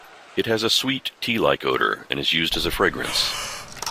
It has a sweet, tea-like odor and is used as a fragrance.